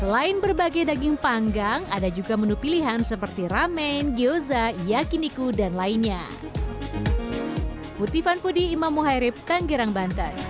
selain berbagai daging panggang ada juga menu pilihan seperti ramen gyoza yakiniku dan lainnya